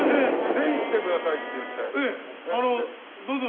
「ぜひ来てください」って言って。